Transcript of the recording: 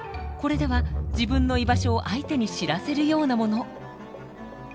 これでは自分の居場所を相手に知らせるようなもの。